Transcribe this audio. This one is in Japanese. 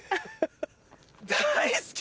大好き！